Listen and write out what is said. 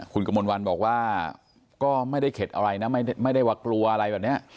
คุณกมลวันบอกว่าก็ไม่ได้เข็ดอะไรนะไม่ได้ว่ากลัวอะไรแบบนี้